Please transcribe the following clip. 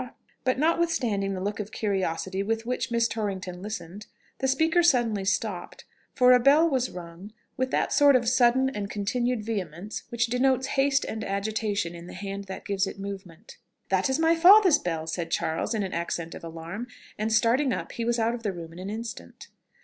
But notwithstanding the look of curiosity with which Miss Torrington listened, the speaker suddenly stopped, for a bell was rung with that sort of sudden and continued vehemence which denotes haste and agitation in the hand that gives it movement. "That is my father's bell!" said Charles in an accent of alarm; and starting up, he was out of the room in an instant.